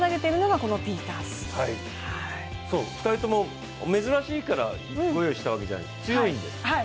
２人とも珍しいからご用意したわけじゃないんです、強いんです。